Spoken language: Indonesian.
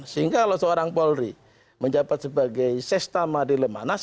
sehingga kalau seorang polri menjabat sebagai sestama di lemhanas